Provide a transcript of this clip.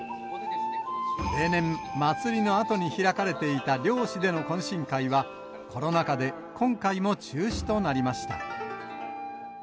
例年、祭りのあとに開かれていた両市での懇親会は、コロナ禍で今回も中止となりました。